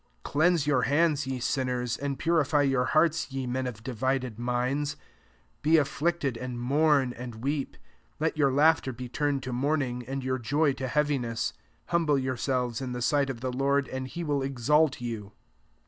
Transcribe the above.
Cleanse your hands, ye sinners ; and purify your hearts ye men of divided minds: 9 be afflicted, and mourn, and weep : let your laughter be turned to mourn ing, and your joy to heaviness: 10 humble yourselves in the sight of [the'] Lord, and he will exalt you.